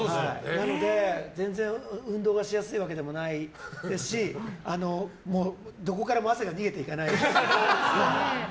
なので全然運動がしやすいわけでもないですしどこからも汗が逃げていかない。